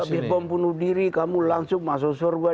kalau di bom bunuh diri kamu langsung masuk suruh